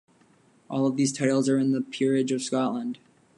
All of these titles are in the Peerage of Scotland.